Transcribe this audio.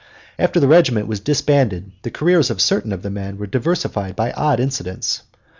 After the regiment was disbanded the careers of certain of the men were diversified by odd incidents.